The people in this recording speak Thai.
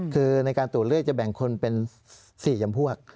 คือในการตรวจเลือดจะแบ่งคนเป็น๔จำพวก